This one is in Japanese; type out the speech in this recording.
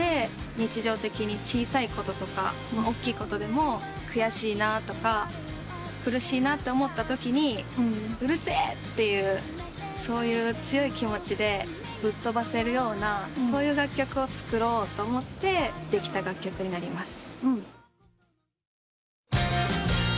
日常的に小さいこととかおっきいことでも悔しいなとか苦しいなって思ったときに「うるせえ！」っていうそういう強い気持ちでぶっとばせるようなそういう楽曲を作ろうと思ってできた楽曲になります。